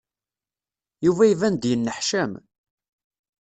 Yuba iban-d yenneḥcam.